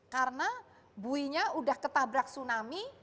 karena buinya sudah ketabrak tsunami